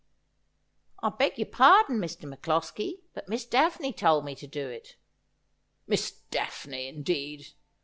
I beg your pardon, Mr. MacCloskie, but Miss Daphne told me to do it.' ' Miss Daphne, indeed